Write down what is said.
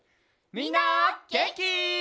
みんなげんき？